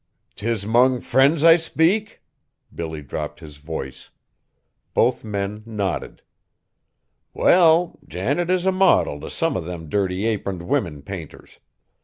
"'T is 'mong friends I speak?" Billy dropped his voice. Both men nodded. "Well, Janet is a modil t' some of them dirty aproned women painters!